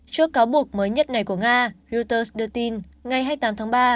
trước cáo buộc mới nhất này của nga ruters đưa tin ngày hai mươi tám tháng ba